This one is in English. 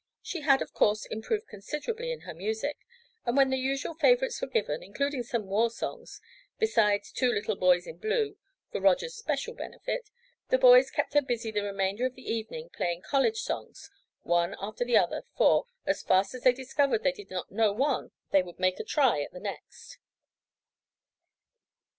She had, of course, improved considerably in her music, and when the usual favorites were given, including some war songs, besides "Two Little Boys in Blue" for Roger's special benefit, the boys kept her busy the remainder of the evening playing college songs, one after the other, for, as fast as they discovered they did not know one they would "make a try" at the next.